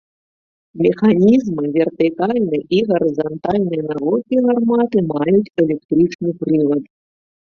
Механізмы вертыкальнай і гарызантальнай наводкі гарматы маюць электрычны прывад.